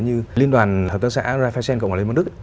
như liên đoàn hợp tác xã rai fashion cộng hòa lê môn đức